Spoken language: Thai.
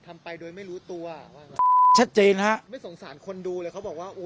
ทำไปโดยไม่รู้ตัวว่าแบบชัดเจนฮะไม่สงสารคนดูเลยเขาบอกว่าโอ้